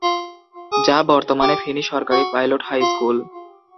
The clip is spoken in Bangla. যা বর্তমানে ফেনী সরকারি পাইলট হাই স্কুল।